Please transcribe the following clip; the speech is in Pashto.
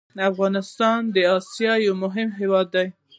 افغانستان د اسيا يو مهم هېواد ده